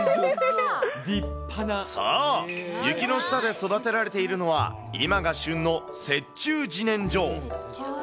そう、雪の下で育てられているのは、今が旬の雪中じねんじょ。